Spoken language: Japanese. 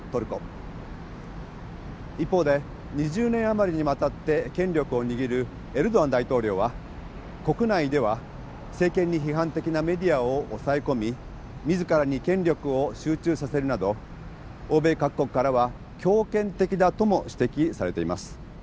一方で２０年余りにわたって権力を握るエルドアン大統領は国内では政権に批判的なメディアを抑え込み自らに権力を集中させるなど欧米各国からは強権的だとも指摘されています。